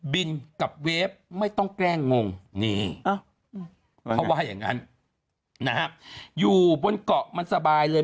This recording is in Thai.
บินกับเวฟไม่ต้องแกล้งงงนี่เขาว่าอย่างนั้นนะฮะอยู่บนเกาะมันสบายเลย